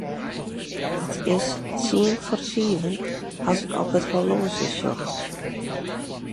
It is tsien foar fiven as ik op it horloazje sjoch.